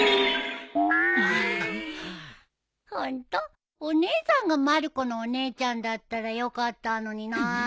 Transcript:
ホントお姉さんがまる子のお姉ちゃんだったらよかったのにな。